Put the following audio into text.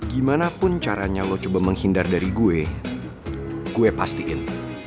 gimana pun caranya lo coba menghindar dari gue gue pastiin